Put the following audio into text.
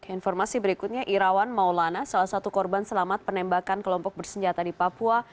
informasi berikutnya irawan maulana salah satu korban selamat penembakan kelompok bersenjata di papua